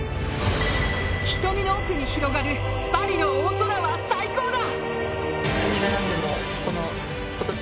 瞳の奥に広がるパリの大空は最高だ。